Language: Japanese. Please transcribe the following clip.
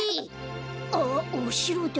あっおしろだ。